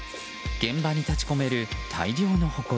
現場に立ち込める大量のほこり。